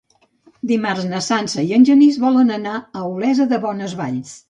Dimarts na Sança i en Genís volen anar a Olesa de Bonesvalls.